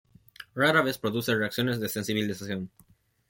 Rara vez produce reacciones de sensibilización.